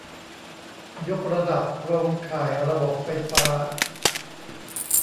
ยกระดับโครงข่ายระบบไฟฟ้า